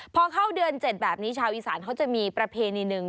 พอเข้าเดือน๗แบบนี้ชาวอีสานเขาจะมีประเพณีหนึ่ง